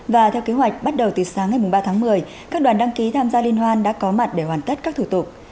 và theo kế hoạch bắt đầu từ sáng ngày ba tháng một mươi các đoàn đăng ký tham gia liên hoan đã có mặt để hoàn tất các thủ tục